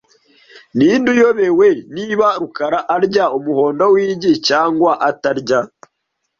Ninde uyobewe niba rukara arya umuhondo w'igi cyangwa atarya .